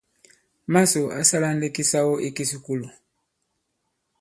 Màsò ǎ sālā ndī kisawo ī kisùkulù.